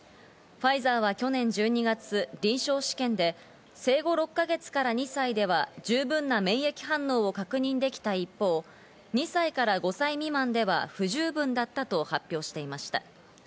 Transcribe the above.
ファイザーは去年１２月、臨床試験で生後６か月から２歳では十分な免疫反応を確認できた一方、２歳から５歳未満では不十分だったと発表していました。